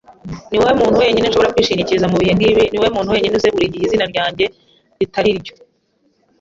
Niwowe muntu wenyine nshobora kwishingikiriza mubihe nkibi. Niwowe muntu wenyine uzi buri gihe izina ryanjye ritari ryo.